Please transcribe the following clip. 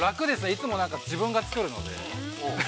いつも自分が作るので。